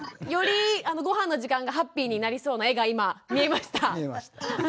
よりごはんの時間がハッピーになりそうな絵が今見えました。